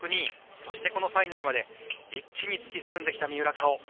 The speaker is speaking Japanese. そしてファイナルまで一気に突き進んできた三浦佳生。